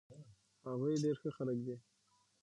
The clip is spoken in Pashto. هغوي ډير ښه خلک دي